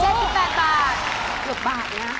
โอ้โฮ๗๘บาท